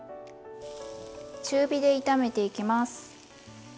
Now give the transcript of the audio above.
中火で炒めていきます。